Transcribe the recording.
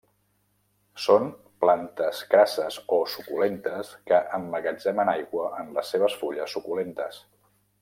Són plantes crasses o suculentes que emmagatzemen aigua en les seves fulles suculentes.